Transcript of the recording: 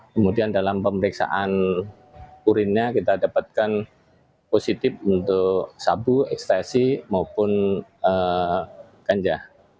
kemudian dalam pemeriksaan urinnya kita dapatkan positif untuk sabu ekstasi maupun ganja